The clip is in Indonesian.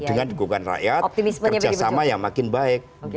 dengan dukungan rakyat kerjasama yang makin baik